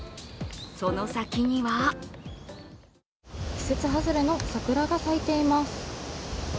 その先には季節外れの桜が咲いています。